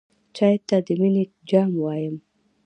چای ته د مینې جام وایم.